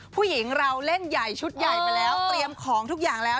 ผู้หญิงเราเล่นใหญ่ชุดใหญ่ไปแล้วเตรียมของทุกอย่างแล้ว